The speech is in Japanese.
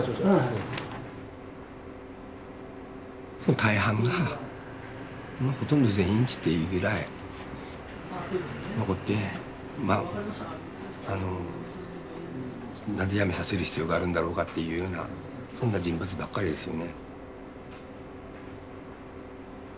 大半がほとんど全員って言っていいぐらい何で辞めさせる必要があるんだろうかっていうようなそんな人物ばっかりですよね。